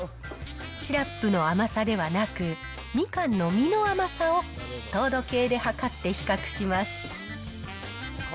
シラップの甘さではなく、みかんの実の甘さを糖度計で測って比較します。